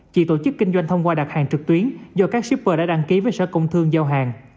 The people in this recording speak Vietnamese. chỉ tổ chức kinh doanh thông qua đặt hàng trực tuyến do các shipper đã đăng ký với sở công thương giao hàng